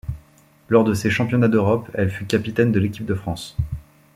Lors de ces Championnats d'Europe, elle fut capitaine de l'Équipe de France.